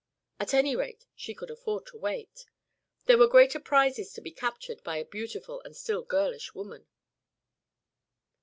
At any rate she could afford to wait. There were greater prizes to be captured by a beautiful and still girlish woman.